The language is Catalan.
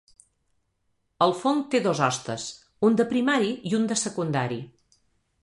El fong té dos hostes, un de primari i un de secundari.